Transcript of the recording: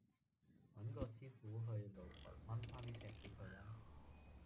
搵個師傅去露台忟番啲石屎佢啦